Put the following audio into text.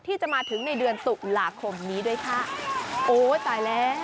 ที่จะมาถึงในเดือนตุลาคมนี้ด้วยค่ะโอ้ยตายแล้ว